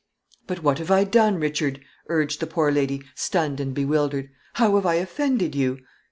"But what have I done, Richard?" urged the poor lady, stunned and bewildered; "how have I offended you?"